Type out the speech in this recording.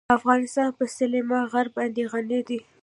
افغانستان په سلیمان غر باندې غني دی.